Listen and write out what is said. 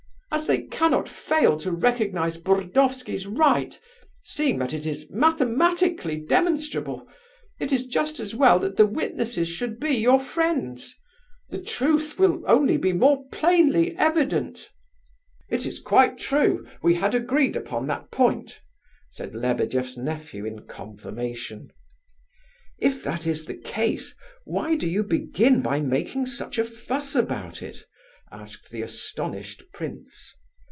As they cannot fail to recognize Burdovsky's right (seeing that it is mathematically demonstrable), it is just as well that the witnesses should be your friends. The truth will only be more plainly evident." "It is quite true; we had agreed upon that point," said Lebedeff's nephew, in confirmation. "If that is the case, why did you begin by making such a fuss about it?" asked the astonished prince.